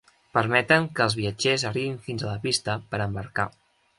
Permeten que els viatgers arribin fins a la pista per a embarcar.